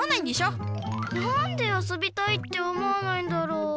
なんであそびたいって思わないんだろう？